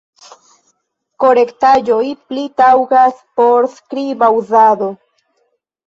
Korektaĵoj pli taŭgas por skriba uzado.